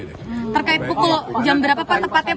terkait pukul jam berapa pak